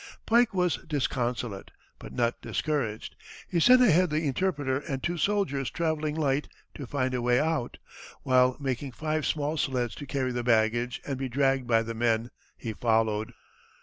Pike was disconsolate, but not discouraged. He sent ahead the interpreter and two soldiers travelling light to find a way out, while, making five small sleds to carry the baggage and be dragged by the men, he followed.